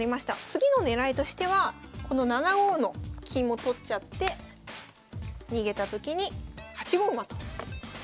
次の狙いとしてはこの７五の金も取っちゃって逃げたときに８五馬と。